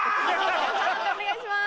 判定お願いします。